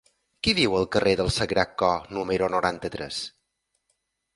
Qui viu al carrer del Sagrat Cor número noranta-tres?